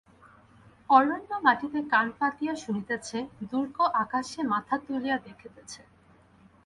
অরণ্য মাটিতে কান পাতিয়া শুনিতেছে, দুর্গ আকাশে মাথা তুলিয়া দেখিতেছে।